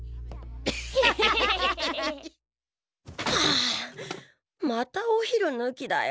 あまたお昼ぬきだよ。